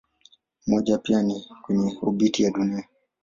Mmoja iko pia kwenye obiti ya Dunia.